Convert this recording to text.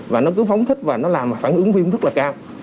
và nó cứ phóng thích và nó làm phản ứng viêm rất là cao